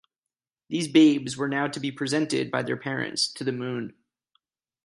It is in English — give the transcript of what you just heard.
These babes were now to be presented by their parents to the moon.